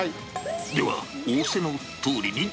では、仰せのとおりに。